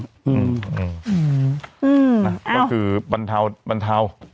อืมอืมอืมอ้าวก็คือบรรเทาบรรเทา